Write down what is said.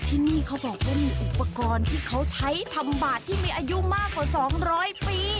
ที่นี่เขาบอกว่ามีอุปกรณ์ที่เขาใช้ทำบาทที่มีอายุมากกว่า๒๐๐ปี